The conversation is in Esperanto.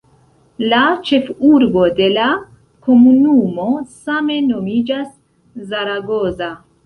La ĉefurbo de la komunumo same nomiĝas "Zaragoza".